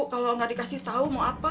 kalau nggak dikasih tahu mau apa